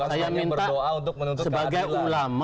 bukan hanya berdoa untuk menuntutkan adilah